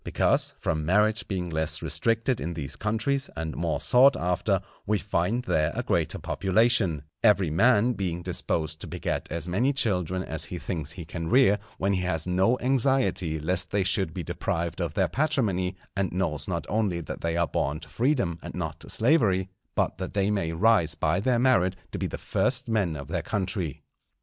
Because, from marriage being less restricted in these countries, and more sought after, we find there a greater population; every man being disposed to beget as many children as he thinks he can rear, when he has no anxiety lest they should be deprived of their patrimony, and knows not only that they are born to freedom and not to slavery, but that they may rise by their merit to be the first men of their country.